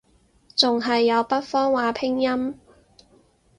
仲係有北方話拼音